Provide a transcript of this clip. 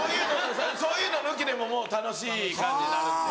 そういうの抜きでももう楽しい感じになるんで。